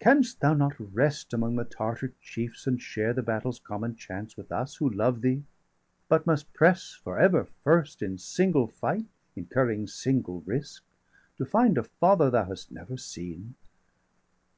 65 Canst thou not rest among the Tartar chiefs, And share the battle's common chance° with us °67 Who love thee, but must press for ever first, In single fight incurring single risk, To find a father thou hast never seen°?